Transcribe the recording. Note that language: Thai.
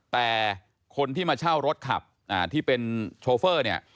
แต่คนที่มาเช่ารถขับที่เป็นโชเฟอร์เนี่ย